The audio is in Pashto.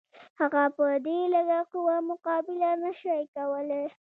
هغه په دې لږه قوه مقابله نه شوای کولای.